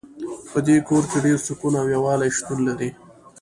په دې کور کې ډېر سکون او یووالۍ شتون لری